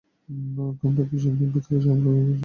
তোমরা দুজন ভিতরে যাও আর ওই বদমাশের জবানবন্দি রেকর্ড করো।